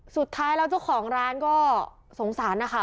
สุดท้ายแล้วเจ้าของร้านก็สงสารนะคะ